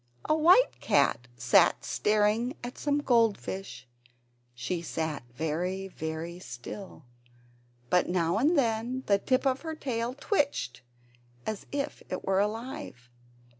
A white cat was staring at some goldfish; she sat very, very still, but now and then the tip of her tail twitched as if it were alive.